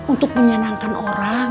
untuk menyenangkan orang